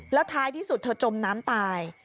แล้วท้ายที่สุดเธอจมน้ำตาย